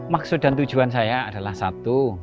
maksud dan tujuan saya adalah satu